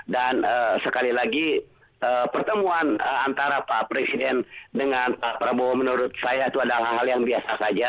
dan sekali lagi pertemuan antara pak presiden dengan pak prabowo menurut saya itu adalah hal yang biasa saja